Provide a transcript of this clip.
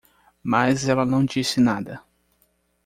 Mas ela não disse nada.